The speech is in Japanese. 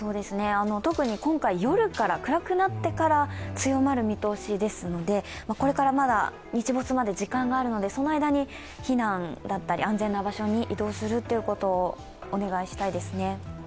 特に今回、夜から、暗くなってから強まる見通しですので、これからまだ日没まで時間があるのでその間に避難だったり安全な場所に移動することをお願いしたいですね。